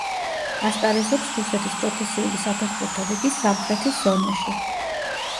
ასპარეზობს რუსეთის პროფესიული საფეხბურთო ლიგის სამხრეთის ზონაში.